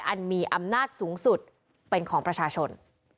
อันมีอำนาจสูงสุดเป็นของประชาชน